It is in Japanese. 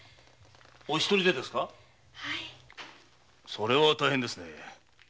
それは大変ですね。